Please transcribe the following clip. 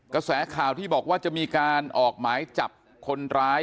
กระแสข่าวที่บอกว่าจะมีการออกหมายจับคนร้าย